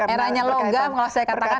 eranya logam kalau saya katakan eranya logam